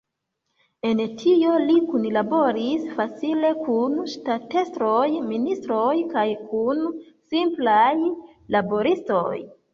En tio li kunlaboris facile kun ŝtatestroj, ministroj kaj kun simplaj laboristoj.